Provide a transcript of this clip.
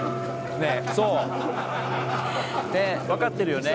ねっ分かってるよね？